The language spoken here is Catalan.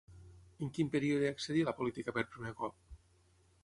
En quin període accedí a la política per primer cop?